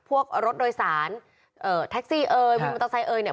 พวกรถโดยสารแท็กซี่เอ้ยมัตตาไซด์เอ๊ยเนี่ย